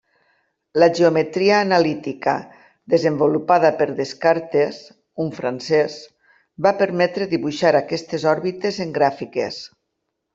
La geometria analítica desenvolupada per Descartes, un francès, va permetre dibuixar aquestes òrbites en gràfiques.